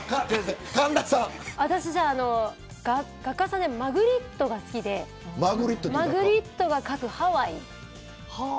私、画家さんでマグリットが好きでマグリットが描くハワイ。